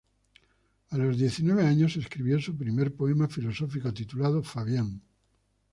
A los diecinueve años escribió su primer poema filosófico, titulado "Fabián".